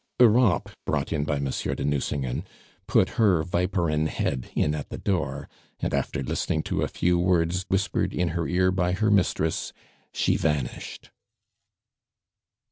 Europe, brought in by Monsieur de Nucingen, put her viperine head in at the door, and after listening to a few words whispered in her ear by her mistress, she vanished.